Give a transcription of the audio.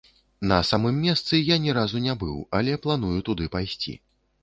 На самым месцы я ні разу не быў, але планую туды пайсці.